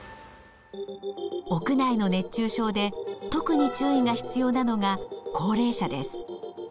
屋内の熱中症で特に注意が必要なのが高齢者です。